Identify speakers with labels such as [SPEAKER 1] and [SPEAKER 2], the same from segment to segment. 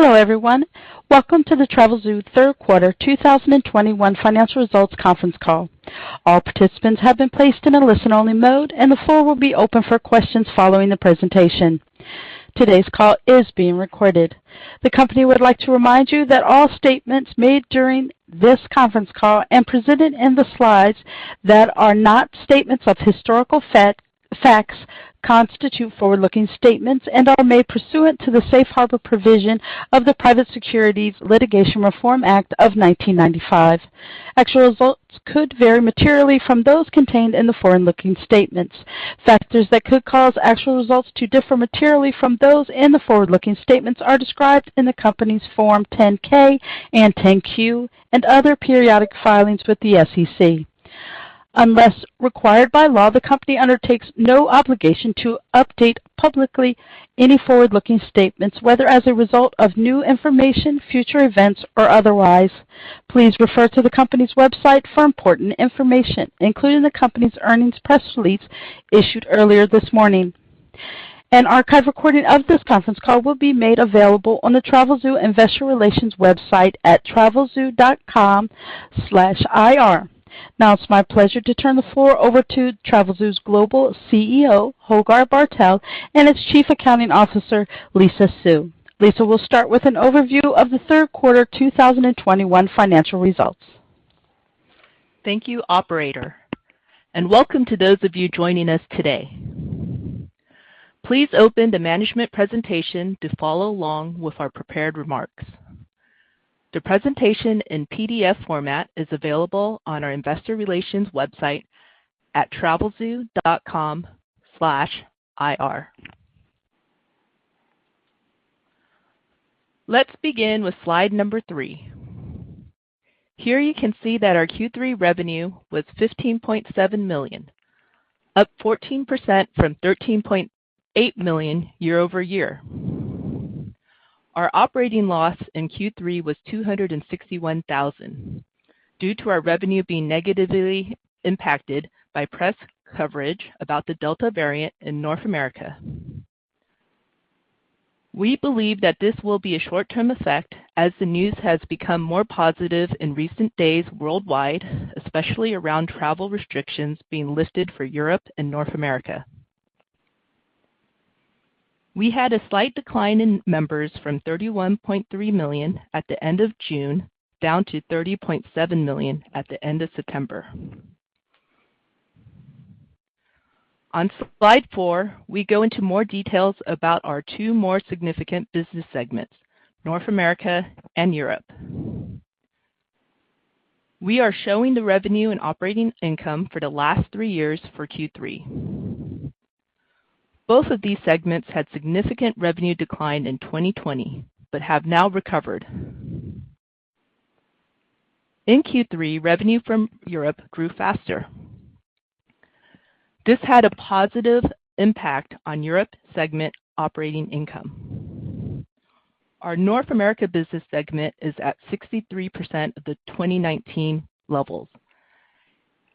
[SPEAKER 1] Hello, everyone. Welcome to the Travelzoo third quarter 2021 financial results conference call. All participants have been placed in a listen-only mode, and the floor will be open for questions following the presentation. Today's call is being recorded. The company would like to remind you that all statements made during this conference call and presented in the slides that are not statements of historical facts constitute forward-looking statements and are made pursuant to the safe harbor provision of the Private Securities Litigation Reform Act of 1995. Actual results could vary materially from those contained in the forward-looking statements. Factors that could cause actual results to differ materially from those in the forward-looking statements are described in the company's Form 10-K and 10-Q, and other periodic filings with the SEC. Unless required by law, the company undertakes no obligation to update publicly any forward-looking statements, whether as a result of new information, future events, or otherwise. Please refer to the company's website for important information, including the company's earnings press release issued earlier this morning. An archive recording of this conference call will be made available on the Travelzoo investor relations website at travelzoo.com/ir. Now it's my pleasure to turn the floor over to Travelzoo's Global CEO, Holger Bartel, and its Chief Accounting Officer, Lisa Su. Lisa will start with an overview of the third quarter 2021 financial results.
[SPEAKER 2] Thank you, operator, and welcome to those of you joining us today. Please open the management presentation to follow along with our prepared remarks. The presentation in PDF format is available on our investor relations website at travelzoo.com/ir. Let's begin with slide number three. Here you can see that our Q3 revenue was $15.7 million, up 14% from $13.8 million year-over-year. Our operating loss in Q3 was $261,000 due to our revenue being negatively impacted by press coverage about the Delta variant in North America. We believe that this will be a short-term effect as the news has become more positive in recent days worldwide, especially around travel restrictions being lifted for Europe and North America. We had a slight decline in members from 31.3 million at the end of June down to 30.7 million at the end of September. On slide four, we go into more details about our two more significant business segments, North America and Europe. We are showing the revenue and operating income for the last three years for Q3. Both of these segments had significant revenue decline in 2020, but have now recovered. In Q3, revenue from Europe grew faster. This had a positive impact on Europe segment operating income. Our North America business segment is at 63% of the 2019 levels,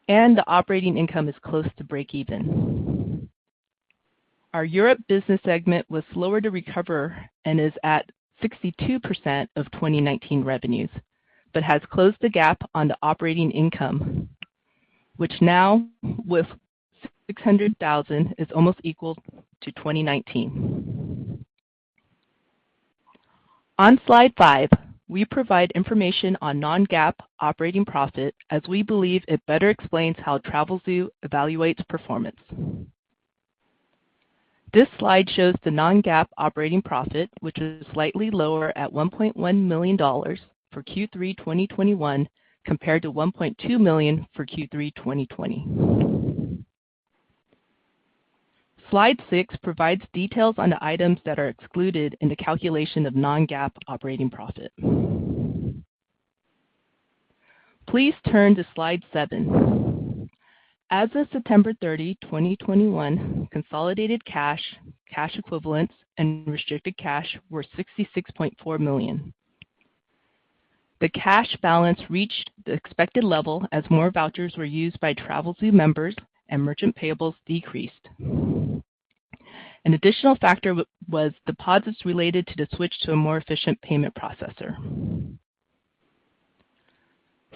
[SPEAKER 2] and the operating income is close to breakeven. Our Europe business segment was slower to recover and is at 62% of 2019 revenues but has closed the gap on the operating income, which now with $600,000, is almost equal to 2019. On slide five, we provide information on non-GAAP operating profit, as we believe it better explains how Travelzoo evaluates performance. This slide shows the non-GAAP operating profit, which is slightly lower at $1.1 million for Q3 2021 compared to $1.2 million for Q3 2020. Slide six provides details on the items that are excluded in the calculation of non-GAAP operating profit. Please turn to slide seven. As of September 30, 2021, consolidated cash equivalents, and restricted cash were $66.4 million. The cash balance reached the expected level as more vouchers were used by Travelzoo members and merchant payables decreased. An additional factor was deposits related to the switch to a more efficient payment processor.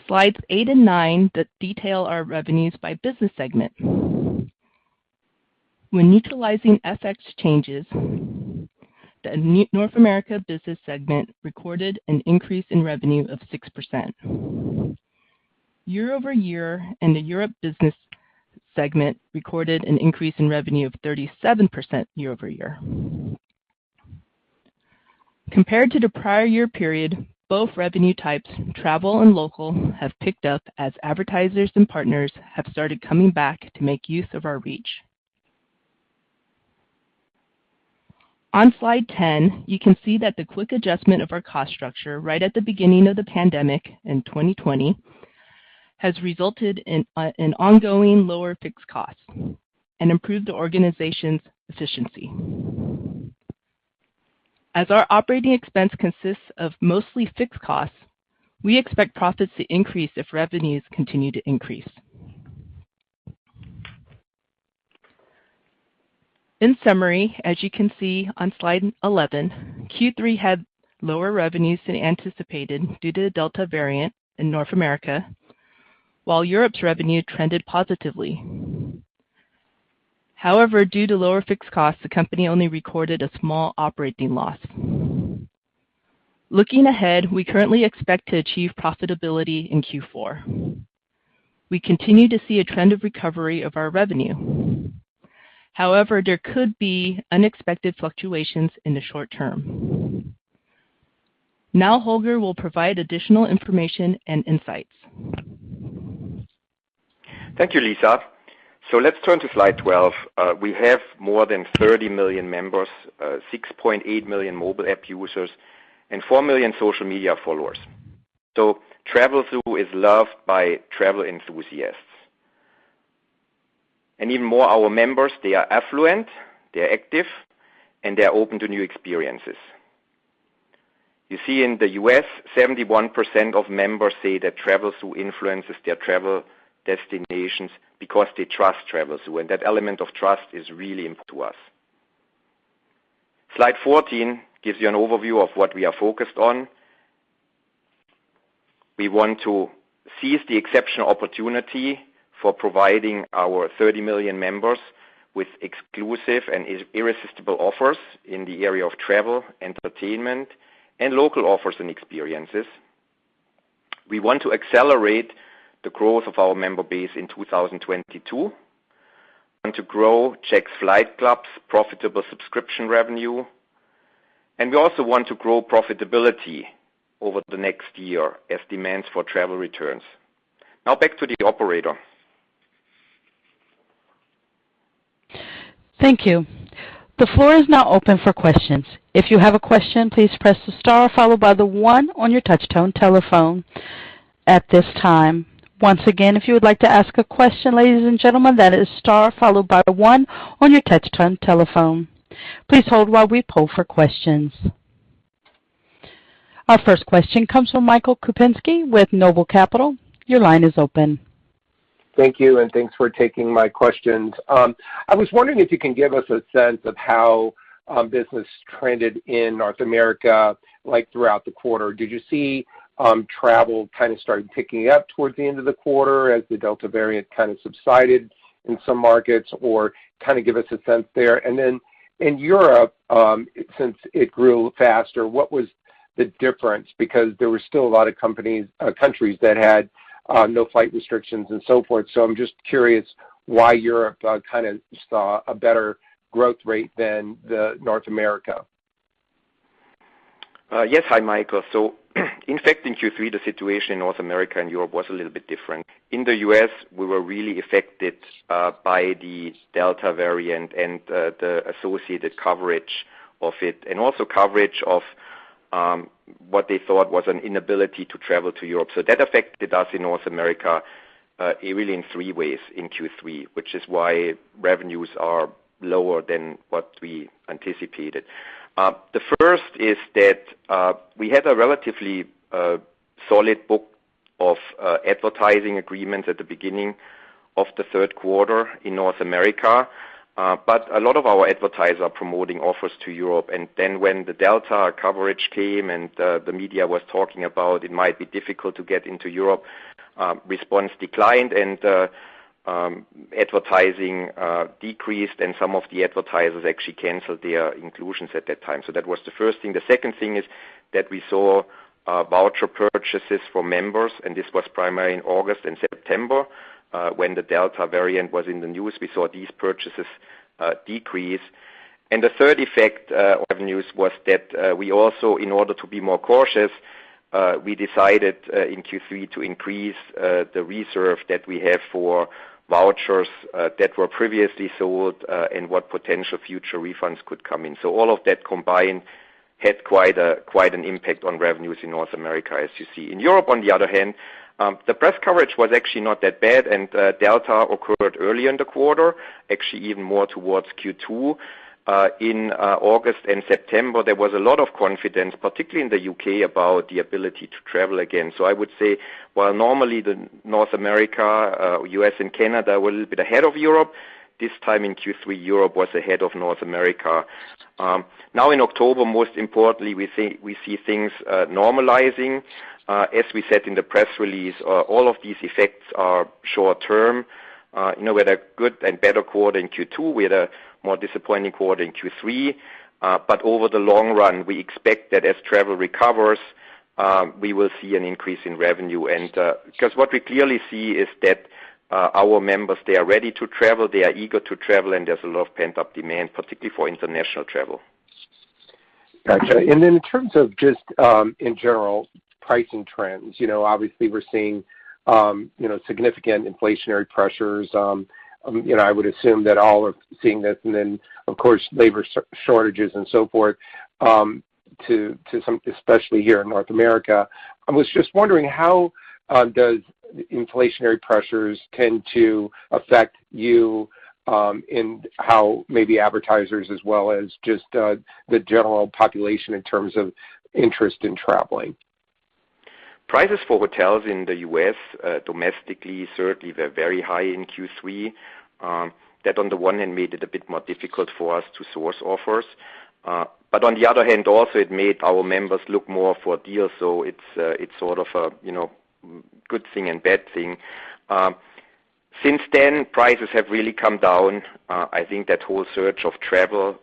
[SPEAKER 2] Slides eight and nine detail our revenues by business segment. When utilizing FX changes, the North America business segment recorded an increase in revenue of 6%. Year-over-year, the Europe business segment recorded an increase in revenue of 37% year-over-year. Compared to the prior year period, both revenue types, travel and local, have picked up as advertisers and partners have started coming back to make use of our reach. On slide 10, you can see that the quick adjustment of our cost structure right at the beginning of the pandemic in 2020 has resulted in ongoing lower fixed costs and improved the organization's efficiency. As our operating expense consists of mostly fixed costs, we expect profits to increase if revenues continue to increase. In summary, as you can see on slide 11, Q3 had lower revenues than anticipated due to the Delta variant in North America, while Europe's revenue trended positively. However, due to lower fixed costs, the company only recorded a small operating loss. Looking ahead, we currently expect to achieve profitability in Q4. We continue to see a trend of recovery of our revenue. However, there could be unexpected fluctuations in the short term. Now Holger will provide additional information and insights.
[SPEAKER 3] Thank you, Lisa. Let's turn to slide 12. We have more than 30 million members, 6.8 million mobile app users, and 4 million social media followers. Travelzoo is loved by travel enthusiasts. Even more, our members, they are affluent, they are active, and they are open to new experiences. You see in the U.S., 71% of members say that Travelzoo influences their travel destinations because they trust Travelzoo, and that element of trust is really important to us. Slide 14 gives you an overview of what we are focused on. We want to seize the exceptional opportunity for providing our 30 million members with exclusive and irresistible offers in the area of travel, entertainment, and local offers and experiences. We want to accelerate the growth of our member base in 2022, and to grow Jack's Flight Club's profitable subscription revenue. We also want to grow profitability over the next year as demands for travel returns. Now back to the operator.
[SPEAKER 1] Thank you. The floor is now open for questions. If you have a question, please press the star followed by the one on your touch tone telephone. At this time, once again, if you would like to ask a question, ladies and gentlemen, that is star followed by the one on your touch tone telephone. Please hold while we poll for questions. Our first question comes from Michael Kupinski with Noble Capital. Your line is open.
[SPEAKER 4] Thank you and thanks for taking my questions. I was wondering if you can give us a sense of how business trended in North America throughout the quarter. Did you see travel start picking up towards the end of the quarter as the Delta variant subsided in some markets, or give us a sense there? In Europe, since it grew faster, what was the difference? There were still a lot of countries that had no flight restrictions and so forth. I'm just curious why Europe saw a better growth rate than the North America.
[SPEAKER 3] Yes. Hi, Michael. In fact, in Q3, the situation in North America and Europe was a little bit different. In the U.S., we were really affected by the Delta variant and the associated coverage of it, and also coverage of what they thought was an inability to travel to Europe. That affected us in North America really in three ways in Q3, which is why revenues are lower than what we anticipated. The first is that we had a relatively solid book of advertising agreements at the beginning of the third quarter in North America, but a lot of our advertisers are promoting offers to Europe. When the Delta coverage came and the media was talking about it might be difficult to get into Europe, response declined and advertising decreased and some of the advertisers actually canceled their inclusions at that time. That was the first thing. The second thing is that we saw voucher purchases for members, and this was primarily in August and September. When the Delta variant was in the news, we saw these purchases decrease. The third effect on revenues was that we also, in order to be more cautious, we decided in Q3 to increase the reserve that we have for vouchers that were previously sold and what potential future refunds could come in. All of that combined had quite an impact on revenues in North America, as you see. In Europe, on the other hand, the press coverage was actually not that bad, and Delta occurred early in the quarter, actually even more towards Q2. In August and September, there was a lot of confidence, particularly in the U.K., about the ability to travel again. I would say while normally the North America, U.S. and Canada were a little bit ahead of Europe, this time in Q3, Europe was ahead of North America. Now in October, most importantly, we see things normalizing. As we said in the press release, all of these effects are short-term. We had a good and better quarter in Q2. We had a more disappointing quarter in Q3. Over the long run, we expect that as travel recovers, we will see an increase in revenue. Because what we clearly see is that our members, they are ready to travel, they are eager to travel, and there's a lot of pent-up demand, particularly for international travel.
[SPEAKER 4] Got you. In terms of just in general pricing trends, obviously we're seeing significant inflationary pressures. I would assume that all are seeing this and then, of course, labor shortages and so forth, especially here in North America. I was just wondering, how does inflationary pressures tend to affect you, and how maybe advertisers as well as just the general population in terms of interest in traveling?
[SPEAKER 3] Prices for hotels in the U.S. domestically, certainly they're very high in Q3. That on the one hand, made it a bit more difficult for us to source offers. On the other hand, also it made our members look more for deals, it's sort of a good thing and bad thing. Since then, prices have really come down. I think that whole surge of travel,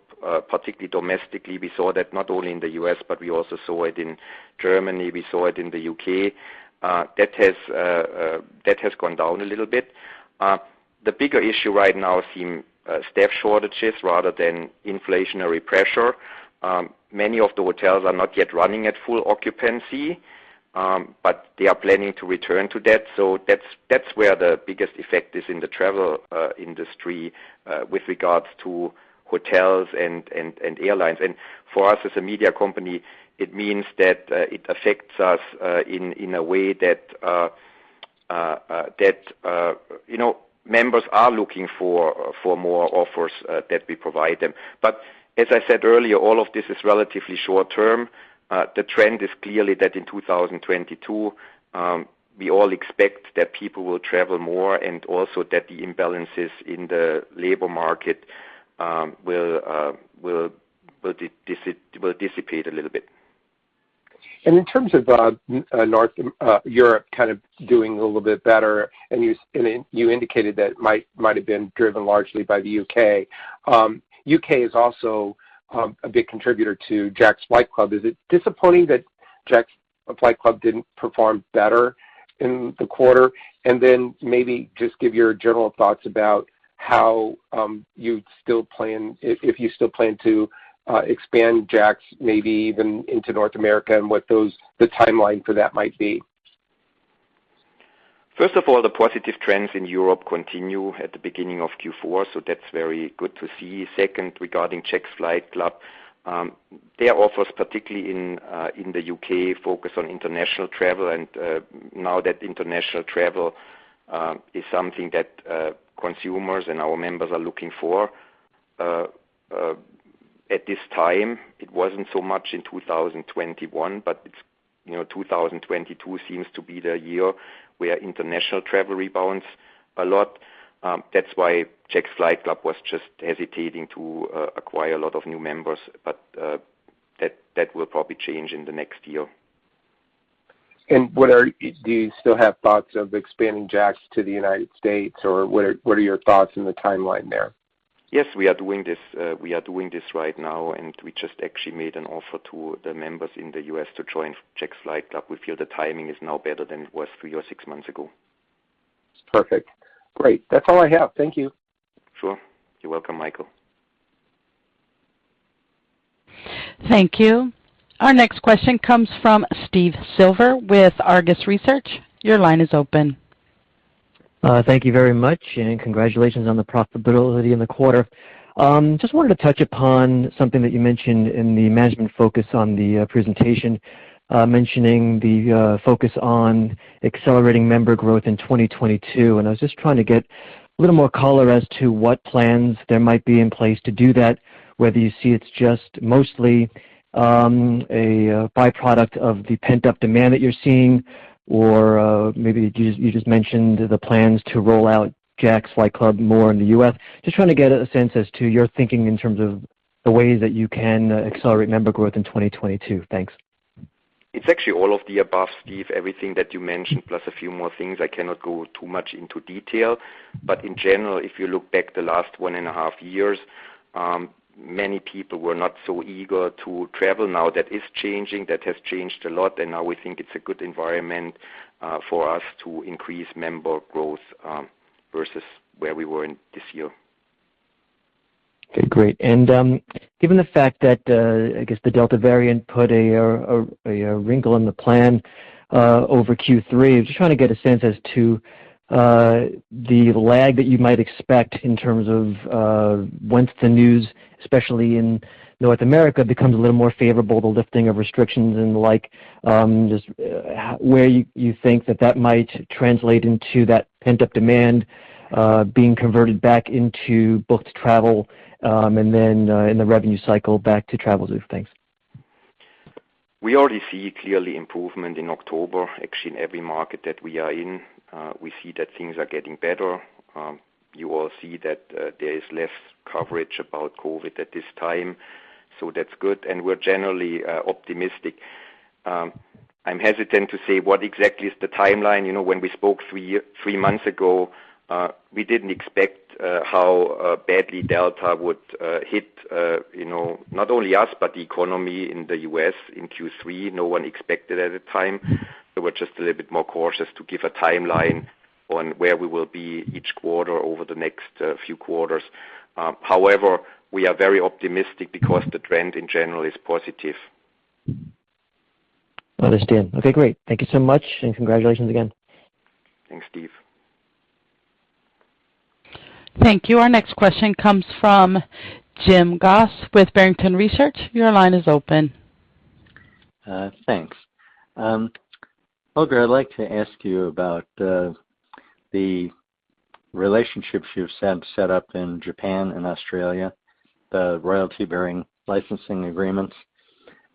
[SPEAKER 3] particularly domestically, we saw that not only in the U.S., we also saw it in Germany, we saw it in the U.K. That has gone down a little bit. The bigger issue right now seem staff shortages rather than inflationary pressure. Many of the hotels are not yet running at full occupancy, they are planning to return to that. That's where the biggest effect is in the travel industry with regards to hotels and airlines. For us as a media company, it means that it affects us in a way that members are looking for more offers that we provide them. As I said earlier, all of this is relatively short term. The trend is clearly that in 2022, we all expect that people will travel more and also that the imbalances in the labor market will dissipate a little bit.
[SPEAKER 4] In terms of North Europe kind of doing a little bit better, and you indicated that might have been driven largely by the U.K. U.K. Is also a big contributor to Jack's Flight Club. Is it disappointing that Jack's Flight Club didn't perform better in the quarter? Maybe just give your general thoughts about if you still plan to expand Jack's maybe even into North America, and what the timeline for that might be.
[SPEAKER 3] First of all, the positive trends in Europe continue at the beginning of Q4, that's very good to see. Second, regarding Jack's Flight Club, their offers, particularly in the U.K., focus on international travel now that international travel is something that consumers and our members are looking for at this time. It wasn't so much in 2021, 2022 seems to be the year where international travel rebounds a lot. That's why Jack's Flight Club was just hesitating to acquire a lot of new members. That will probably change in the next year.
[SPEAKER 4] Do you still have thoughts of expanding Jack's to the United States, or what are your thoughts on the timeline there?
[SPEAKER 3] Yes, we are doing this right now, and we just actually made an offer to the members in the U.S. to join Jack's Flight Club. We feel the timing is now better than it was three or six months ago.
[SPEAKER 4] Perfect. Great. That's all I have. Thank you.
[SPEAKER 3] Sure. You're welcome, Michael.
[SPEAKER 1] Thank you. Our next question comes from Steve Silver with Argus Research. Your line is open.
[SPEAKER 5] Thank you very much, and congratulations on the profitability in the quarter. Wanted to touch upon something that you mentioned in the management focus on the presentation, mentioning the focus on accelerating member growth in 2022. I was trying to get a little more color as to what plans there might be in place to do that, whether you see it's mostly a by-product of the pent-up demand that you're seeing, or maybe you mentioned the plans to roll out Jack's Flight Club more in the U.S. Trying to get a sense as to your thinking in terms of the ways that you can accelerate member growth in 2022. Thanks.
[SPEAKER 3] It's actually all of the above, Steve. Everything that you mentioned, plus a few more things. I cannot go too much into detail. In general, if you look back the last 1.5 years, many people were not so eager to travel. Now that is changing. That has changed a lot, and now we think it's a good environment for us to increase member growth, versus where we were in this year.
[SPEAKER 5] Okay, great. Given the fact that, I guess the Delta variant put a wrinkle in the plan over Q3, I'm just trying to get a sense as to the lag that you might expect in terms of once the news, especially in North America, becomes a little more favorable, the lifting of restrictions and the like, just where you think that that might translate into that pent-up demand being converted back into booked travel, and then in the revenue cycle back to Travelzoo. Thanks.
[SPEAKER 3] We already see clearly improvement in October. Actually, in every market that we are in, we see that things are getting better. You all see that there is less coverage about COVID at this time, so that's good, and we're generally optimistic. I'm hesitant to say what exactly is the timeline. When we spoke hree months ago, we didn't expect how badly Delta would hit not only us, but the economy in the U.S. in Q3. No one expected it at the time, so we're just a little bit more cautious to give a timeline on where we will be each quarter over the next few quarters. However, we are very optimistic because the trend in general is positive.
[SPEAKER 5] Understand. Okay, great. Thank you so much, and congratulations again.
[SPEAKER 3] Thanks, Steve.
[SPEAKER 1] Thank you. Our next question comes from Jim Goss with Barrington Research. Your line is open.
[SPEAKER 6] Thanks. Holger, I'd like to ask you about the relationships you've set up in Japan and Australia, the royalty-bearing licensing agreements.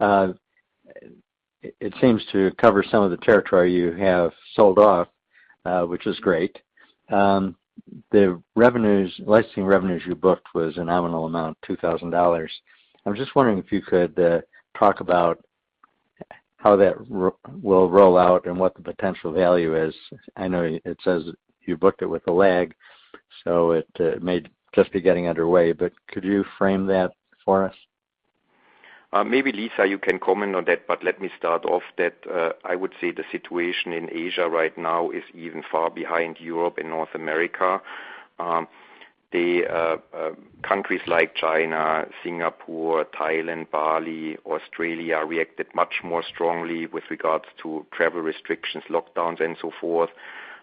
[SPEAKER 6] It seems to cover some of the territory you have sold off, which is great. The licensing revenues you booked was a nominal amount, $2,000. I'm just wondering if you could talk about how that will roll out and what the potential value is. I know it says you booked it with a lag, so it may just be getting underway, but could you frame that for us?
[SPEAKER 3] Maybe, Lisa, you can comment on that. Let me start off that I would say the situation in Asia right now is even far behind Europe and North America. The countries like China, Singapore, Thailand, Bali, Australia reacted much more strongly with regards to travel restrictions, lockdowns, and so forth.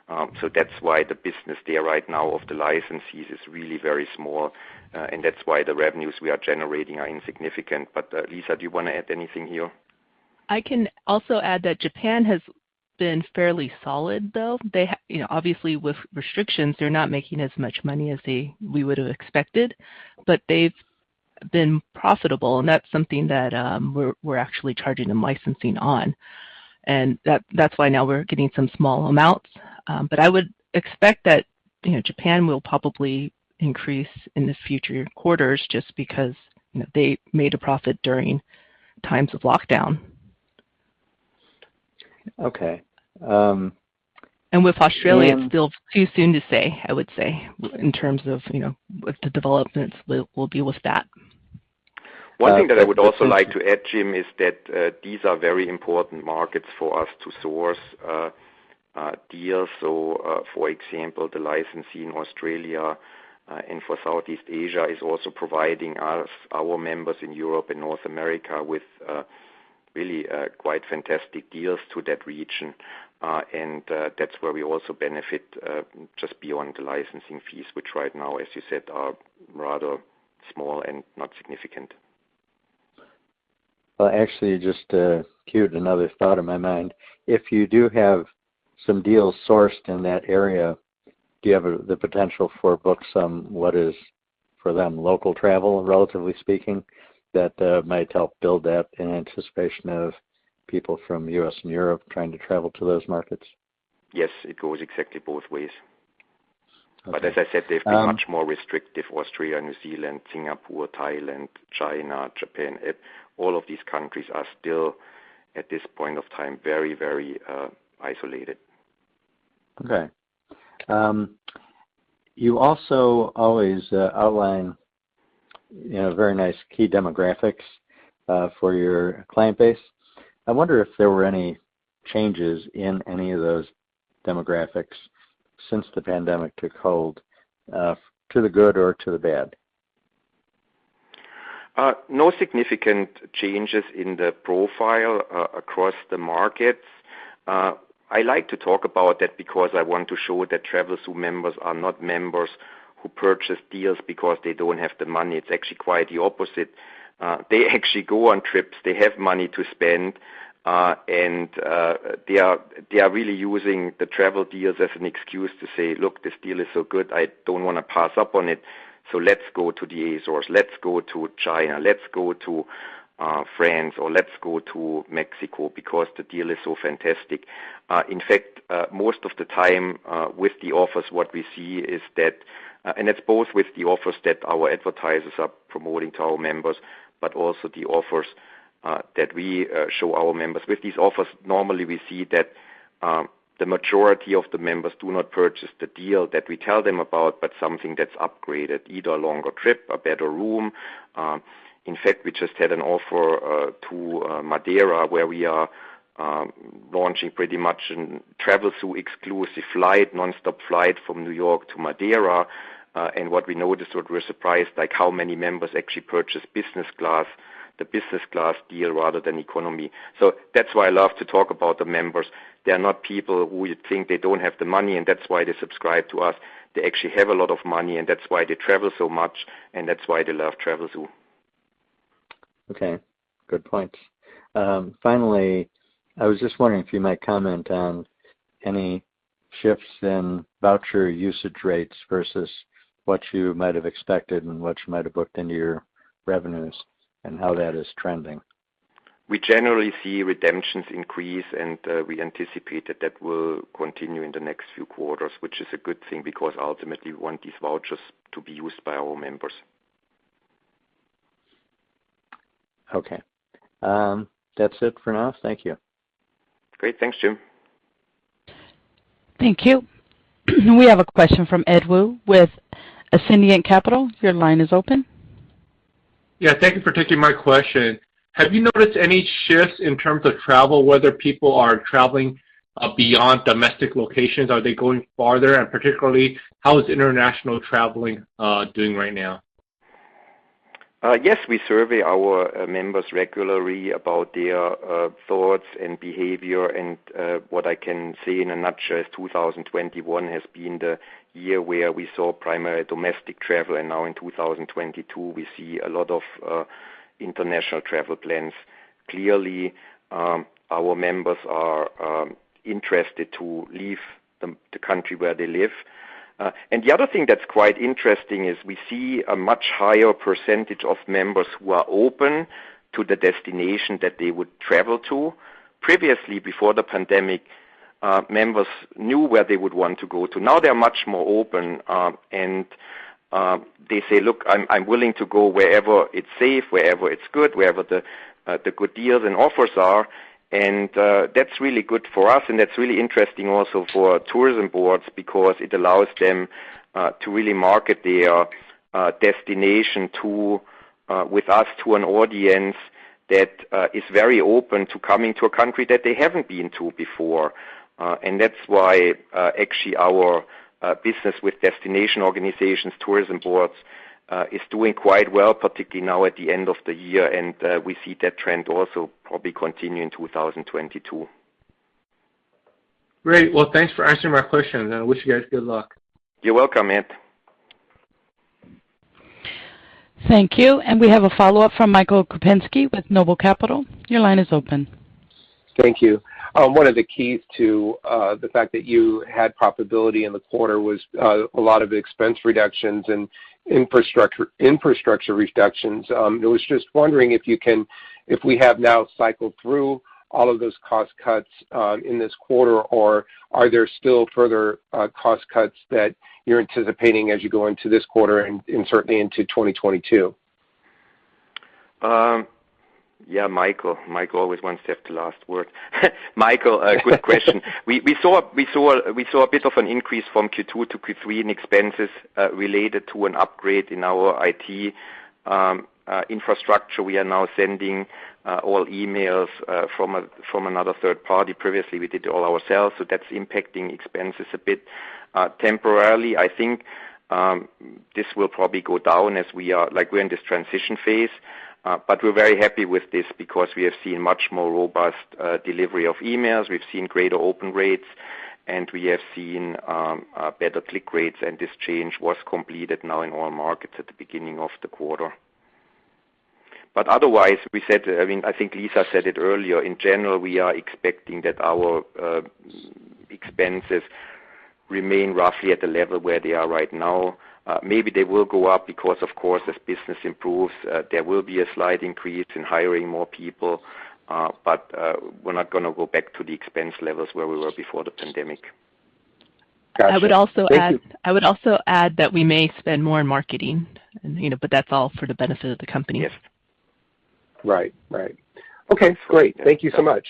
[SPEAKER 3] That's why the business there right now of the licensees is really very small. That's why the revenues we are generating are insignificant. Lisa, do you want to add anything here?
[SPEAKER 2] I can also add that Japan has been fairly solid, though. Obviously, with restrictions, they're not making as much money as we would've expected, but they've been profitable, and that's something that we're actually charging them licensing on. That's why now we're getting some small amounts. I would expect that Japan will probably increase in the future quarters just because they made a profit during times of lockdown.
[SPEAKER 6] Okay.
[SPEAKER 2] With Australia, it's still too soon to say, I would say, in terms of the developments will deal with that.
[SPEAKER 3] One thing that I would also like to add, Jim, is that these are very important markets for us to source deals. For example, the licensee in Australia and for Southeast Asia is also providing our members in Europe and North America with really quite fantastic deals to that region. That's where we also benefit just beyond the licensing fees, which right now, as you said, are rather small and not significant.
[SPEAKER 6] Well, actually, just queued another thought in my mind. If you do have some deals sourced in that area, do you have the potential for book some what is for them local travel, relatively speaking, that might help build that in anticipation of people from U.S. and Europe trying to travel to those markets?
[SPEAKER 3] Yes, it goes exactly both ways.
[SPEAKER 6] Okay.
[SPEAKER 3] As I said, they've been much more restrictive, Australia, New Zealand, Singapore, Thailand, China, Japan. All of these countries are still, at this point of time, very isolated.
[SPEAKER 6] Okay. You also always outline very nice key demographics for your client base. I wonder if there were any changes in any of those demographics since the pandemic took hold, to the good or to the bad?
[SPEAKER 3] No significant changes in the profile across the markets. I like to talk about that because I want to show that Travelzoo members are not members who purchase deals because they don't have the money. It's actually quite the opposite. They actually go on trips. They have money to spend, and they are really using the travel deals as an excuse to say, "Look, this deal is so good, I don't want to pass up on it, so let's go to the Azores. Let's go to China. Let's go to France, or let's go to Mexico because the deal is so fantastic." In fact, most of the time with the offers, what we see is that, and it's both with the offers that our advertisers are promoting to our members, but also the offers that we show our members. With these offers, normally we see that the majority of the members do not purchase the deal that we tell them about, but something that's upgraded, either a longer trip, a better room. In fact, we just had an offer to Madeira, where we are launching pretty much a Travelzoo exclusive flight, nonstop flight from New York to Madeira. What we noticed, what we're surprised, like how many members actually purchased the business class deal rather than economy. That's why I love to talk about the members. They're not people who you think they don't have the money, and that's why they subscribe to us. They actually have a lot of money, and that's why they travel so much, and that's why they love Travelzoo.
[SPEAKER 6] Okay. Good points. Finally, I was just wondering if you might comment on any shifts in voucher usage rates versus what you might have expected and what you might have booked into your revenues and how that is trending.
[SPEAKER 3] We generally see redemptions increase, and we anticipate that that will continue in the next few quarters, which is a good thing because ultimately we want these vouchers to be used by our members.
[SPEAKER 6] Okay. That's it for now. Thank you.
[SPEAKER 3] Great. Thanks, Jim.
[SPEAKER 1] Thank you. We have a question from Ed Woo with Ascendiant Capital Markets. Your line is open.
[SPEAKER 7] Yeah. Thank you for taking my question. Have you noticed any shifts in terms of travel, whether people are traveling beyond domestic locations? Are they going farther? Particularly, how is international traveling doing right now?
[SPEAKER 3] Yes, we survey our members regularly about their thoughts and behavior, and what I can say in a nutshell is 2021 has been the year where we saw primary domestic travel, and now in 2022, we see a lot of international travel plans. Clearly, our members are interested to leave the country where they live. The other thing that's quite interesting is we see a much higher percentage of members who are open to the destination that they would travel to. Previously, before the pandemic, members knew where they would want to go to. Now they're much more open, they say, "Look, I'm willing to go wherever it's safe, wherever it's good, wherever the good deals and offers are." That's really good for us, and that's really interesting also for tourism boards because it allows them to really market their destination with us to an audience that is very open to coming to a country that they haven't been to before. That's why actually our business with destination organizations, tourism boards, is doing quite well, particularly now at the end of the year, and we see that trend also probably continue in 2022.
[SPEAKER 7] Great. Well, thanks for answering my questions. I wish you guys good luck.
[SPEAKER 3] You're welcome, Ed.
[SPEAKER 1] Thank you. We have a follow-up from Michael Kupinski with Noble Capital. Your line is open.
[SPEAKER 4] Thank you. One of the keys to the fact that you had profitability in the quarter was a lot of expense reductions and infrastructure reductions. I was just wondering if we have now cycled through all of those cost cuts in this quarter, or are there still further cost cuts that you're anticipating as you go into this quarter and certainly into 2022?
[SPEAKER 3] Michael always wants to have the last word. Michael, a good question. We saw a bit of an increase from Q2 to Q3 in expenses related to an upgrade in our IT infrastructure. We are now sending all emails from another third party. Previously, we did it all ourselves, so that's impacting expenses a bit temporarily. I think this will probably go down as we are in this transition phase. We're very happy with this because we have seen much more robust delivery of emails. We've seen greater open rates, and we have seen better click rates, and this change was completed now in all markets at the beginning of the quarter. Otherwise, I think Lisa said it earlier, in general, we are expecting that our expenses remain roughly at the level where they are right now. Maybe they will go up because, of course, as business improves, there will be a slight increase in hiring more people. We're not going to go back to the expense levels where we were before the pandemic.
[SPEAKER 4] Gotcha. Thank you.
[SPEAKER 2] I would also add that we may spend more in marketing, but that's all for the benefit of the company.
[SPEAKER 4] Yes. Right. Okay, great. Thank you so much.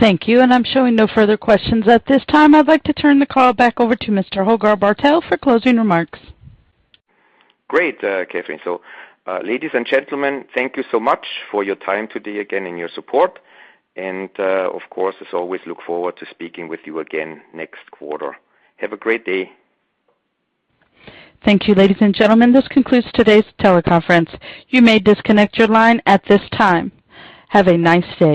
[SPEAKER 1] Thank you. I'm showing no further questions at this time. I'd like to turn the call back over to Mr. Holger Bartel for closing remarks.
[SPEAKER 3] Great, Catherine. Ladies and gentlemen, thank you so much for your time today again and your support, and, of course, as always, look forward to speaking with you again next quarter. Have a great day.
[SPEAKER 1] Thank you, ladies and gentlemen. This concludes today's teleconference. You may disconnect your line at this time. Have a nice day.